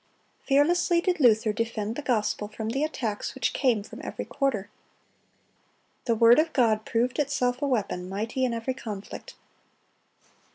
Fearlessly did Luther defend the gospel from the attacks which came from every quarter. The word of God proved itself a weapon mighty in every conflict.